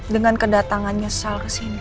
dengan kedatangan nyesel kesini